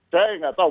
saya nggak tahu